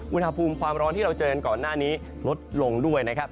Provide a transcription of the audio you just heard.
อุณหภูมิความร้อนที่เราเจอกันก่อนหน้านี้ลดลงด้วยนะครับ